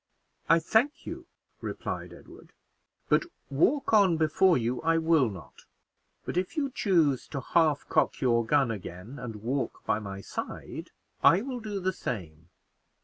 "I thank you," replied Edward, "but walk on before you I will not: but if you choose to half cock your gun again, and walk by my side, I will do the same.